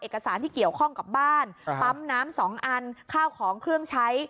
เอกสารที่เกี่ยวข้องกับบ้านปั๊มน้ำสองอันข้าวของเครื่องใช้